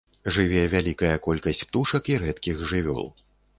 Жыве вялікая колькасць птушак і рэдкіх жывёл.